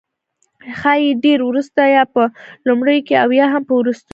ښايي ډیر وروسته، یا په لومړیو کې او یا هم په وروستیو کې